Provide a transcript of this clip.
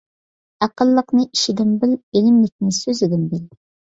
ئەقىللىقنى ئىشىدىن بىل، بىلىملىكنى سۆزىدىن بىل.